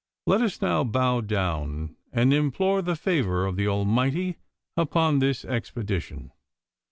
Let us now bow down and implore the favour of the Almighty upon this expedition.